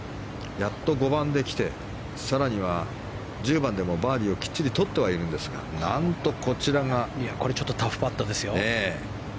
やっと５番で来て更には１０番でもバーディーをきっちり取ってはいるんですがこれ、タフパットですよ。